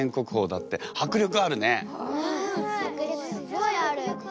迫力すごいある。